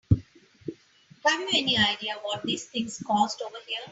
Have you any idea what these things cost over here?